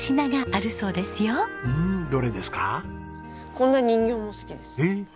こんな人形も好きです。